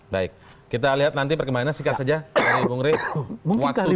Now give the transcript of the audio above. baik kita lihat nanti perkembangannya sikat saja pak nenggeng rih